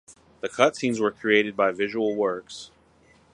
The cutscenes were created by Visual Works.